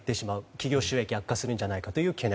企業収益が悪化するんじゃないかという懸念。